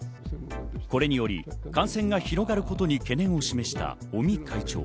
これにより感染が広がることに懸念を示した尾身会長。